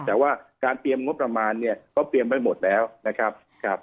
แต่ว่าการเตรียมงบประมาณเนี่ยเขาเตรียมไว้หมดแล้วนะครับ